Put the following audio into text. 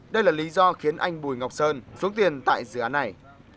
đây là lý do khiến anh bùi ngọc sơn xuống tiền tại dự án này